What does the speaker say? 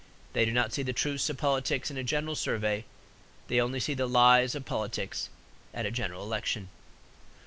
They do not see the truths of politics in a general survey. They only see the lies of politics, at a General Election.